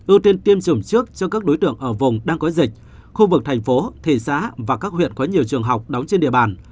ưu tiên tiêm chủng trước cho các đối tượng ở vùng đang có dịch khu vực thành phố thị xã và các huyện có nhiều trường học đóng trên địa bàn